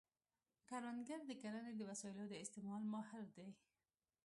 کروندګر د کرنې د وسایلو د استعمال ماهر دی